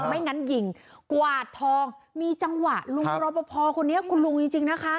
ไม่งั้นยิงกวาดทองมีจังหวะลุงรอปภคนนี้คุณลุงจริงนะคะ